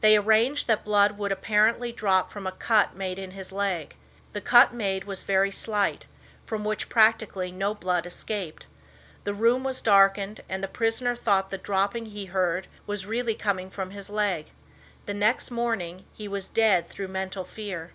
They arranged that blood would apparently drop from a cut made in his leg. The cut made was very slight, from which practically no blood escaped. The room was darkened, and the prisoner thought the dropping he heard was really coming from his leg. The next morning he was dead through mental fear.